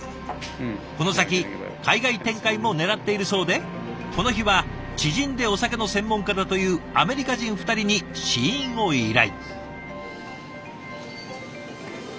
この先海外展開もねらっているそうでこの日は知人でお酒の専門家だというアメリカ人２人に試飲を依頼。